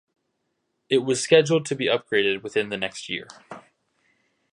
It was scheduled to be upgraded within the next year.